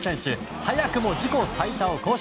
早くも自己最多を更新。